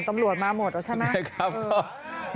ตำรวจมาหมดแล้วใช่ไหม